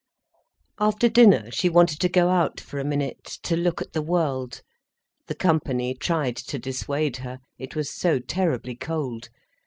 After dinner she wanted to go out for a minute, to look at the world. The company tried to dissuade her—it was so terribly cold.